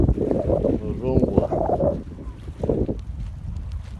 Òrzòŋwá.